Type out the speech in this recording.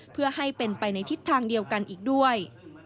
เพื่อให้เป็นไปในทิศทางเดียวกันอีกด้วย